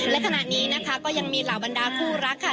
และขณะนี้นะคะก็ยังมีเหล่าบรรดาคู่รักค่ะ